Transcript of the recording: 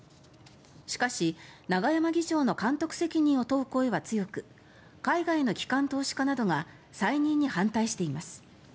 しかし、永山議長の監督責任を問う声は強く海外の機関投資家などが再任に反対しています。